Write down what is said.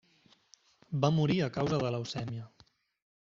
Va morir a causa de leucèmia.